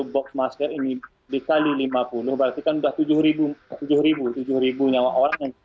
satu ratus empat puluh box masker ini dikali lima puluh berarti kan sudah tujuh ribu nyawa orang yang kita bantu